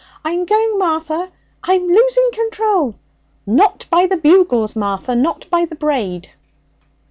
'I'm going, Martha! I'm losing control! Not by the bugles, Martha! Not by the braid!'